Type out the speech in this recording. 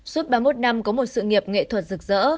suốt ba mươi một năm có một sự nghiệp nghệ thuật rực rỡ